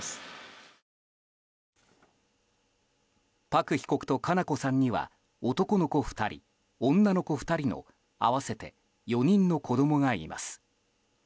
パク被告と佳菜子さんには男の子２人、女の子２人の合わせて４人の子供がいます。